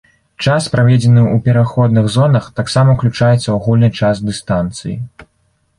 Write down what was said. Час, праведзены ў пераходных зонах, таксама ўключаецца ў агульны час дыстанцыі.